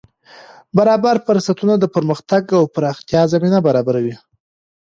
برابر فرصتونه د پرمختګ او پراختیا زمینه برابروي.